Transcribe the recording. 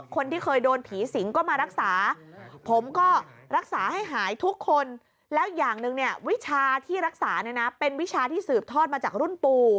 คนที่เคยโดนผีสิงก็มารักษาผมก็รักษาให้หายทุกคน